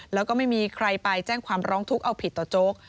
แล้วก็ไม่มีใครไปแจ้งความร้องทุกข์เอาผิดต่อโจ๊ก